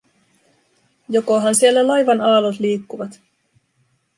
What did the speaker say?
Jokohan siellä laivan aallot liikkuvat?